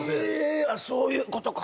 そういうことか。